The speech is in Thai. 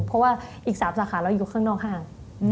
เพราะว่าอีก๓สาขาเราอยู่ข้างนอกห้าง